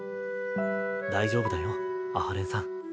大丈夫だよ阿波連さん。